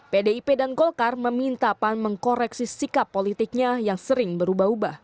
pdip dan golkar meminta pan mengkoreksi sikap politiknya yang sering berubah ubah